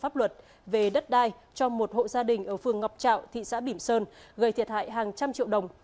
pháp luật về đất đai cho một hộ gia đình ở phường ngọc trạo thị xã bỉm sơn gây thiệt hại hàng trăm triệu đồng